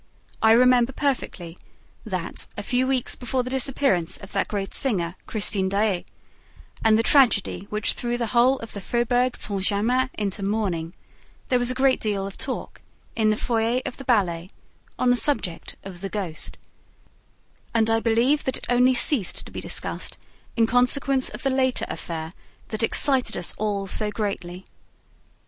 I remember perfectly that, a few weeks before the disappearance of that great singer, Christine Daae, and the tragedy which threw the whole of the Faubourg Saint Germain into mourning, there was a great deal of talk, in the foyer of the ballet, on the subject of the "ghost;" and I believe that it only ceased to be discussed in consequence of the later affair that excited us all so greatly.